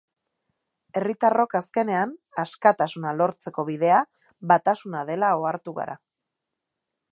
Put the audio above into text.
Herritarrok, azkenean, askatasuna lortzeko bidea batasuna dela ohartu gara.